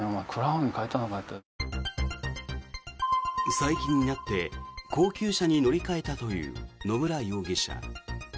最近になって高級車に乗り換えたという野村容疑者。